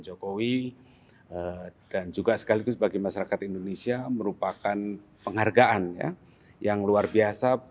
jokowi dan juga sekaligus bagi masyarakat indonesia merupakan penghargaan ya yang luar biasa